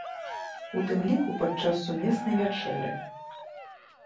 У тым ліку падчас сумеснай вячэры.